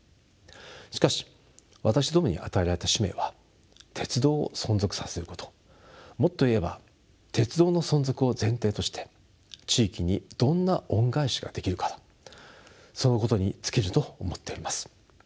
しかし私どもに与えられた使命は鉄道を存続させることもっと言えば鉄道の存続を前提として地域にどんな恩返しができるかそのことに尽きると思っております。